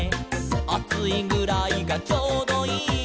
「『あついぐらいがちょうどいい』」